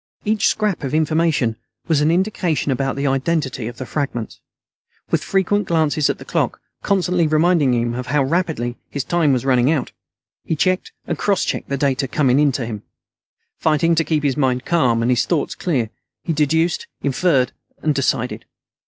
Each scrap of information was an indication about the identity of the fragments. With frequent glances at the clock, constantly reminding him of how rapidly his time was running out, he checked and cross checked the data coming in to him. Fighting to keep his mind calm and his thoughts clear, he deduced, inferred, and decided.